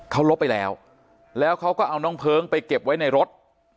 เขาลบไปแล้วแล้วเขาก็เอาน้องเพลิงไปเก็บไว้ในรถ